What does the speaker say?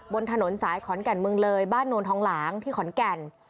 บนถนนสายขอนแก่นเมืองเลยบ้านโนนทองหลางที่ขอนแก่น